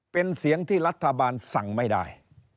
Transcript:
เป็นเสียงที่รัฐบาลสั่งไม่ได้